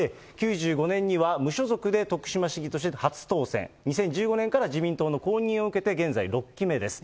９５年には無所属で徳島市議として初当選、２０１５年から自民党の公認を受けて現在６期目です。